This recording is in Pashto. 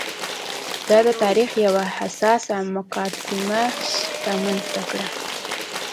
دا د تاریخ یوه حساسه مقطعه رامنځته کړه.